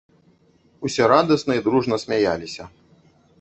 Усе радасна і дружна смяяліся.